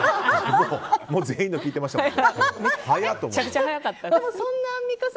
もう全員の聞いてましたね。